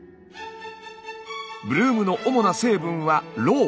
ブルームの主な成分はろう。